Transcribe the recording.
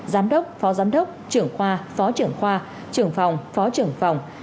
giám đốc phó giám đốc trưởng khoa phó trưởng khoa trưởng phòng phó trưởng phòng